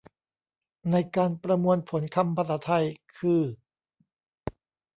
ในการประมวลผลคำภาษาไทย คือ